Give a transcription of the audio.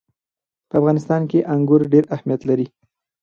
په افغانستان کې انګور ډېر اهمیت لري.